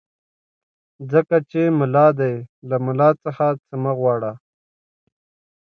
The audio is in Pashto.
ځکه چې ملا دی له ملا څخه څه مه غواړه.